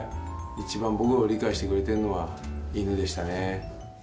一番僕を理解してくれてるのは、犬でしたねぇ。